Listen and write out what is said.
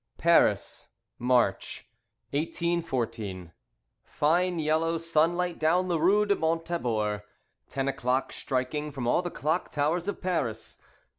II Paris, March, 1814 Fine yellow sunlight down the rue du Mont Thabor. Ten o'clock striking from all the clock towers of Paris.